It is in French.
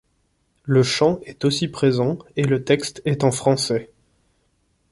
Le chant est aussi présent et le texte est en français.